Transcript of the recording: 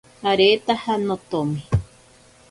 Aretaja notomi.